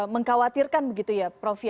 mengkhawatirkan begitu ya prof